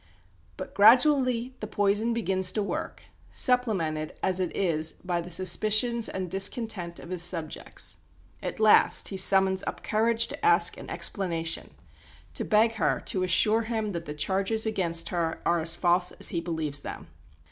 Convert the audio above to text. But gradually the poison begins to work, supplemented as it is by the suspicions and discontent of his subjects. At last he summons up courage to ask an explanation to beg her to assure him that the charges against her are as false as he believes them.